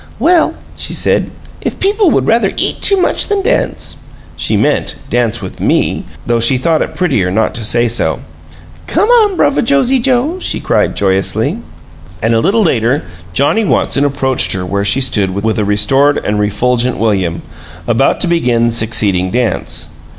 "Well," she said, "if people would rather eat too much than dance!" She meant "dance with ME!" though she thought it prettier not to say so. "Come on, Bruvva Josie Joe!" she cried, joyously. And a little later Johnnie Watson approached her where she stood with a restored and refulgent William, about to begin the succeeding dance.